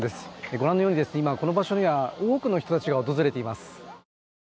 ご覧のように今この場所には多くの人たちが訪れています。